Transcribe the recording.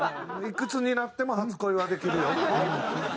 いくつになっても初恋はできるよ。